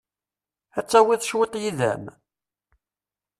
Ad tawiḍ cwiṭ yid-m?